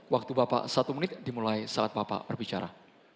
waktu bapak satu menit dimulai saat bapak berbicara